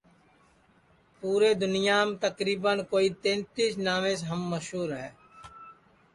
پوری دُنیام تقریباً کوئی تینتیس ناویس ہم مشور ہے